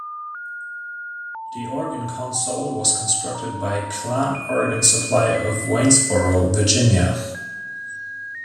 The organ console was constructed by Klann Organ Supply of Waynesboro, Virginia.